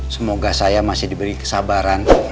semoga saya masih diberi kesabaran